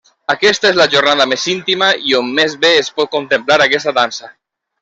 Aquesta és la jornada més íntima i on més bé es pot contemplar aquesta dansa.